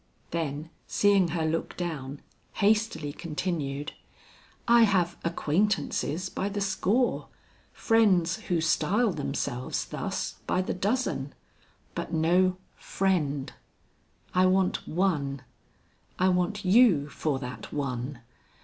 Then seeing her look down, hastily continued, "I have acquaintances by the score friends who style themselves thus, by the dozen, but no friend. I want one; I want you for that one.